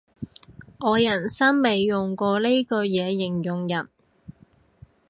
我人生未用過呢句嘢形容人